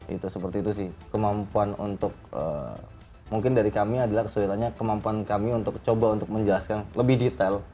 itu seperti itu sih kemampuan untuk mungkin dari kami adalah kesulitannya kemampuan kami untuk coba untuk menjelaskan lebih detail